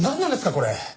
これ。